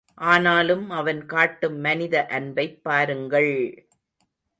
ஆனாலும் அவன் காட்டும் மனித அன்பைப் பாருங்கள்!